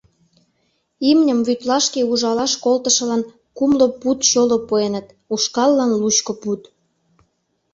Имньым Вӱтлашке ужалаш колтышылан кумло пуд чоло пуэныт, ушкаллан лучко пуд.